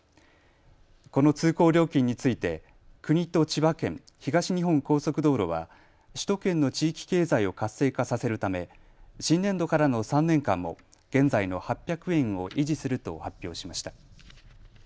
この通行料金について国と千葉県、東日本高速道路は首都圏の地域経済を活性化させるため新年度からの３年間も現在の８００円を維持すると発表しました。